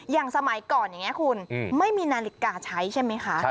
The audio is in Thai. สมัยก่อนอย่างนี้คุณไม่มีนาฬิกาใช้ใช่ไหมคะ